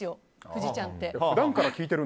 久慈ちゃんって。